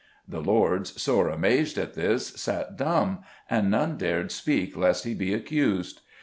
The lords, sore amazed at this, sat dumb, and none dared speak lest he be accused.